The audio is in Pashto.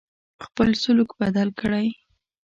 خپل سلوک بدل کړی.